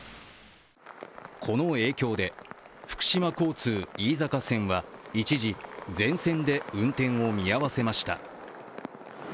この影響で、福島交通・飯坂線は一時、全線で運転を見合わせました。